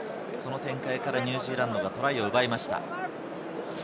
その展開からニュージーランドがトライを奪いました。